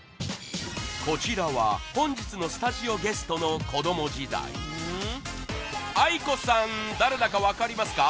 こちらは、本日のスタジオゲストの子供時代ａｉｋｏさん誰だか分かりますか？